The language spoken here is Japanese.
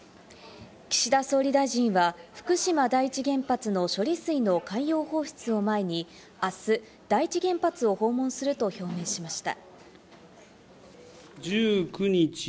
岸田総理大臣は福島第一原発の処理水の海洋放出を前にあす第一原発を訪問すると表明しました。